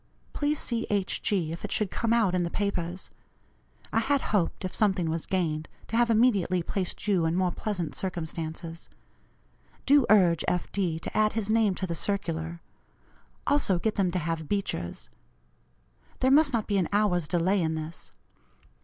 Please see H. G., if it should come out in the papers. I had hoped, if something was gained, to have immediately placed you in more pleasant circumstances. Do urge F. D. to add his name to the circular; also get them to have Beecher's. There must not be an hour's delay in this.